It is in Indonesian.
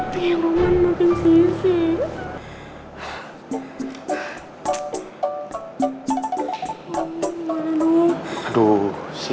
kayaknya rumah maafin sisi